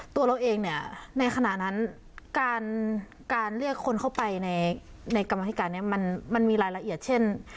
ตัวเราเองเนี่ยในขณะนั้นการเรียกคนเข้าไปในกรรมธิการนี้มันมีรายละเอียดเช่น